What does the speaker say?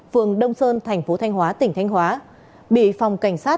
phường đông sơn thành phố thanh hóa tỉnh thanh hóa bị phòng cảnh sát